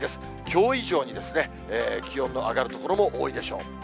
きょう以上に気温の上がる所も多いでしょう。